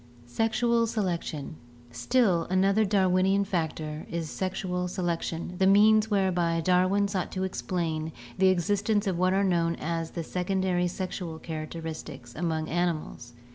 Sexual Selection. — Still another Darwinian factor is sexual selection, the means whereby Darwin sought to explain the exist ence of what are known as the secondary sexual characteristics among animals.